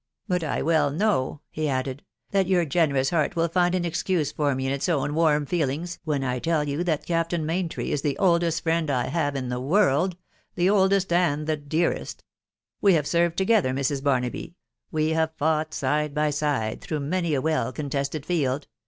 Bat I well knovr," he added, " l\\at ^ovlt %*xtewaA\rewfc «r THE WIDOW BARNABY. S8g will find an excuse for roe in its own warm feelings, when I tell you that Captain Maintry is the oldest friend I have in the world — the oldest and the dearest. •.• We have served to gether, Mrs. Barnaby .... we have fought side by Bide through many a well contested field